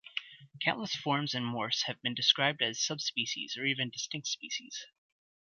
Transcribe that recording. Countless forms and morphs have been described as subspecies or even distinct species.